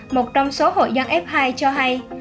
một trong số hội dân f hai cho hay